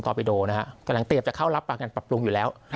ต่อไปด๋วนะก็ดังเตรียมจะเข้ารับประกันปรับบุญอยู่แล้ว